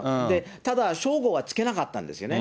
ただ、称号はつけなかったんですね。